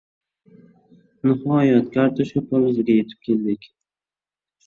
Nihoyat kartoshka polizga yetib keldik.